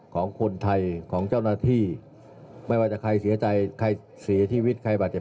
ของคนไทยของเจ้าหน้าที่ไม่ว่าจะใครเสียใจใครเสียชีวิตใครบาดเจ็บ